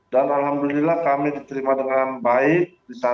dan alhamdulillah kami diterima dengan baik